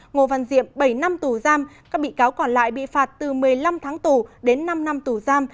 ngô văn diệm bảy năm tù giam các bị cáo còn lại bị phạt từ một mươi năm tháng tù đến năm năm tù giam